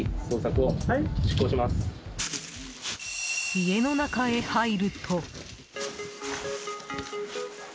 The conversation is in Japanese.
家の中へ入ると。